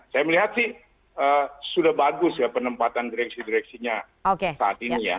saya melihat sih sudah bagus ya penempatan direksi direksinya saat ini ya